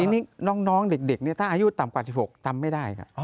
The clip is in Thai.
นี่น้องเด็กถ้าอายุต่ำกว่า๑๖จำไม่ได้